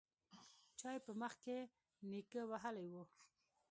چا يې په مخ کې نيکه وهلی و.